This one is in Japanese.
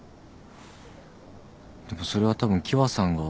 でもそれはたぶん喜和さんが。